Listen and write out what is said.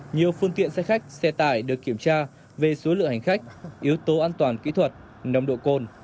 nhiều phương tiện xe khách xe tải được kiểm tra về số lượng hành khách yếu tố an toàn kỹ thuật nồng độ cồn